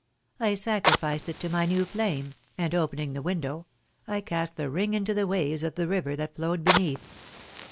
I sacrificed it to my new flame, and, opening the window, I cast the ring into the waves of the river that flowed beneath.